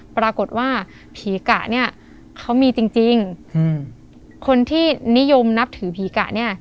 ปรากฏว่าผีกะเนี่ยเขามีจริงจริงอืมคนที่นิยมนับถือผีกะเนี่ย